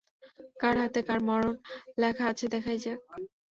কার হাতে কার মরণ লেখা আছে দেখাই যাক!